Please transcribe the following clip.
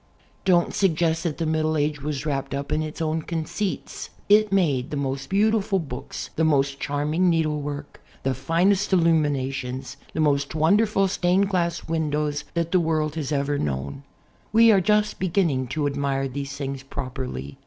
Don't suggest that the Middle Age was wrapped up in its own conceits. It made the most beautiful books, the most charming needlework, the finest illuminations, the most wonderful stained glass windows that the world has ever known. We are just beginning to admire these things properly.